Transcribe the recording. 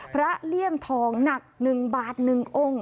เลี่ยมทองหนัก๑บาท๑องค์